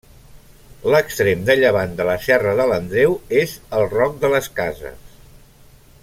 L'extrem de llevant de la Serra de l'Andreu és el Roc de les Cases.